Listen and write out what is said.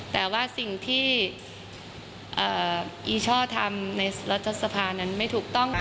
แต่ว่าสิ่งที่อีช่อทำในรัฐสภานั้นไม่ถูกต้อง